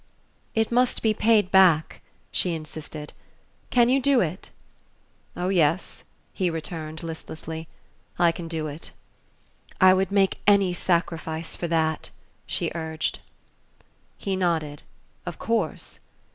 "It must be paid back," she insisted. "Can you do it?" "Oh, yes," he returned, listlessly. "I can do it." "I would make any sacrifice for that!" she urged. He nodded. "Of course."